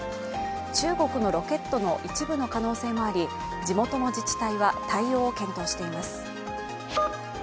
中国のロケットの一部の可能性もあり、地元の自治体は対応を検討しています。